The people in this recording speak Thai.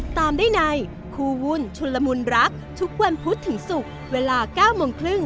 ติดตามได้ในครูวุ่นชุลมุณรักทุกเรือนพุทธถึงสุขเวลา๙โมงตอน